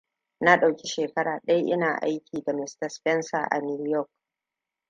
Na ɗauki shekara ɗaya ina aiki da Mr Spencer a New York.